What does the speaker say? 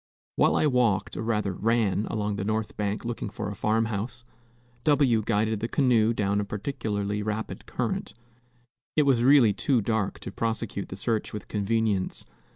While I walked, or rather ran, along the north bank looking for a farm house, W guided the canoe down a particularly rapid current. It was really too dark to prosecute the search with convenience.